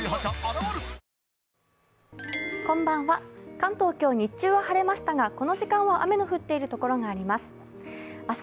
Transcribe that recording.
関東、今日日中は晴れましたがこの時間は雨の降っているところがあります。